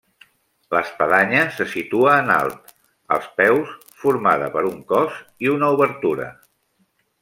L'espadanya se situa en alt, als peus, formada per un cos i una obertura.